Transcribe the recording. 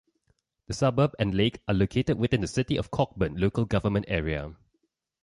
The suburb and lake are located within the City of Cockburn local government area.